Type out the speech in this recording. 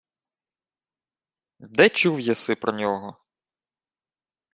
— Де чув єси про нього?